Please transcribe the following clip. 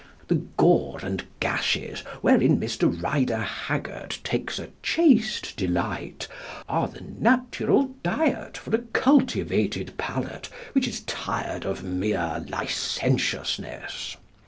The gore and gashes wherein Mr. Rider Haggard takes a chaste delight are the natural diet for a cultivated palate which is tired of mere licentiousness.